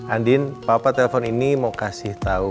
andin papa telpon ini mau kasih tahu